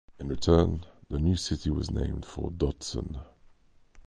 In return, the new city was named for Dodson.